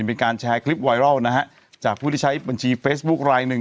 เป็นการแชร์คลิปไวรัลนะฮะจากผู้ที่ใช้บัญชีเฟซบุ๊คลายหนึ่ง